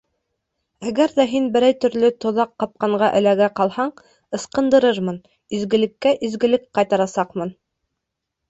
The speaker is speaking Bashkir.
— Әгәр ҙә һин берәй төрлө тоҙаҡ-ҡапҡанға эләгә ҡалһаң, ыскындырырмын — изгелеккә изгелек ҡайтарасаҡмын.